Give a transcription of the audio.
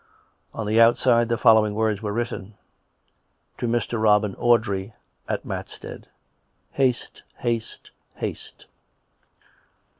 On the outside the following words were written: " To Mr. Robin Audrey. At Matstead. " Haste, haste, haste."